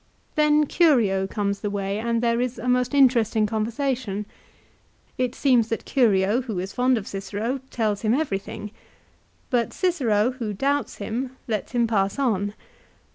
Then Curio comes the way and there is a most interesting conversation. It seems that Curio, who is fond of Cicero, tells him everything. But Cicero, who doubts him, lets him pass on.